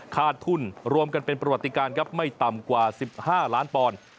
ขาดทุนรวมกันเป็นประวัติการครับไม่ต่ำกว่า๑๕ล้านปอนด์